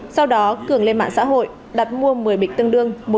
sau đó cường lên mạng xã hội đặt mua một mươi bịch tương đương